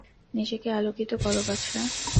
নিজেকে আলোকিত করো, বাছা!